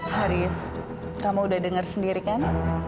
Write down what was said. haris kamu udah dengar sendiri kan